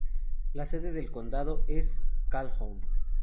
La sede del condado es Calhoun.